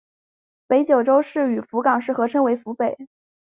北九州市与福冈市合称为福北。